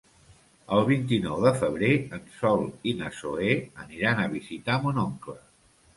El vint-i-nou de febrer en Sol i na Zoè aniran a visitar mon oncle.